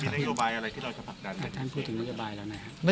นโยบายอะไรที่เราจะผลักดันแต่ท่านพูดถึงนโยบายแล้วนะครับ